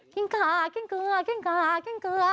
ิ้งขากิ้งเกลือกิ้งขากิ้งเกลือ